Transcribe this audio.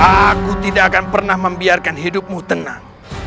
aku tidak akan pernah membiarkan hidupmu tenang